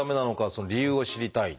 その理由を知りたい。